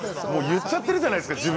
もう言っちゃってるじゃないですか